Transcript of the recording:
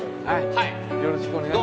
よろしくお願いします。